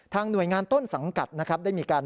ทางหน่วยงานต้นสังกัดได้มีการ